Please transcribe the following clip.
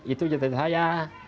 itu sejati saya